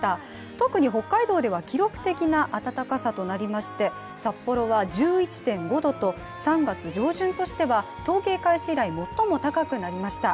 特に北海道では記録的な暖かさとなりまして、札幌は１１．５度と、３月上旬としては統計開始以来、最も高くなりました。